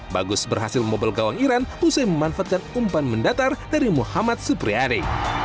bagus berhasil membobol gawang iran usai memanfaatkan umpan mendatar dari muhammad supriyari